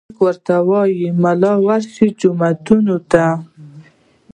خلک ورته وايي ملا ورشه جوماتونو ته